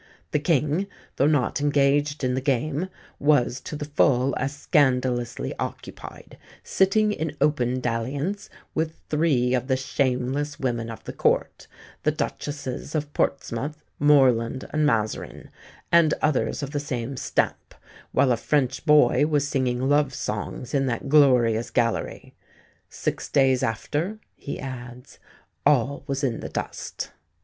The King, though not engaged in the game, was to the full as scandalously occupied, sitting in open dalliance with three of the shameless women of the Court, the Duchesses of Portsmouth, Morland, and Mazarin, and others of the same stamp, while a French boy was singing love songs in that glorious gallery. Six days after," he adds, "all was in the dust."